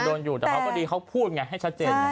โดนอยู่แต่เขาก็ดีเขาพูดไงให้ชัดเจน